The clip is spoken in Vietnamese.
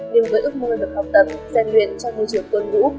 nhưng với ước mơ được học tập gian luyện cho môi trường tuân ngũ